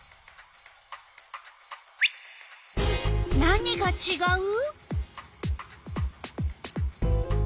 何がちがう？